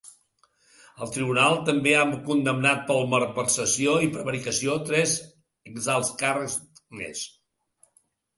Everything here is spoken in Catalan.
El tribunal també ha condemnat per malversació i prevaricació tres ex-alts càrrecs més.